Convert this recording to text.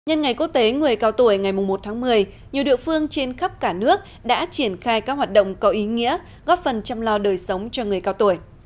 nhân ngày quốc tế người cao tuổi ngày một tháng một mươi nhiều địa phương trên khắp cả nước đã triển khai các hoạt động có ý nghĩa góp phần chăm lo đời sống cho người cao tuổi